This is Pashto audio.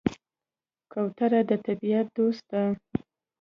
کوتره د طبیعت دوست ده.